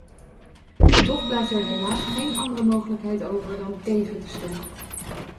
Toch blijft er helaas geen andere mogelijkheid over dan tegen te stemmen.